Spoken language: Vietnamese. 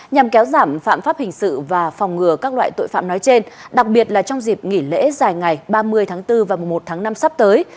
nhằm kéo giảm phạm pháp hình sự và phòng ngừa các loại tội phạm nói trên đặc biệt là trong dịp nghỉ lễ dài ngày ba mươi tháng bốn và một tháng năm sắp tới